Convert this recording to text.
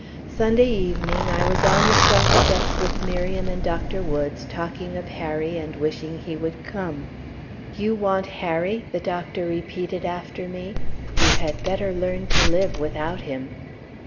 Sunday evening I was on the front steps with Miriam and Dr. Woods, talking of Harry and wishing he would come. "You want Harry!" the doctor repeated after me; "you had better learn to live without him."